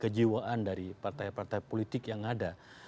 jadi kejiwaan dari partai partai politik yang ada